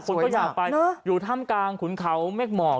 คนก็อยากไปอยู่ถ้ำกลางขุนเขาเมฆหมอก